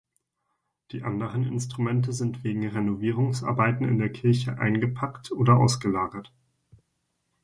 Die anderen Instrumente sind wegen Renovierungsarbeiten in der Kirche eingepackt oder ausgelagert.